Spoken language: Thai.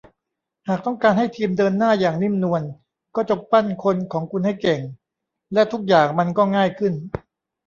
หากต้องการให้ทีมเดินหน้าอย่างนิ่มนวลก็จงปั้นคนของคุณให้เก่ง และทุกอย่างมันก็ง่ายขึ้น